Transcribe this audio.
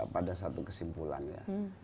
pada satu kesimpulan ya